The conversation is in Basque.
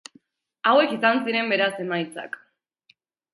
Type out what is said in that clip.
Hauek izan ziren beraz emaitzak.